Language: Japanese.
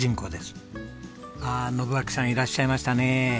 ああ信秋さんいらっしゃいましたね。